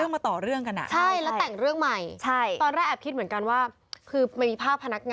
ไม่จริง